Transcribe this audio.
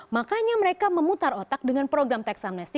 makanya mereka memutar otak dengan program tax amnesti